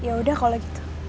ya udah kalau gitu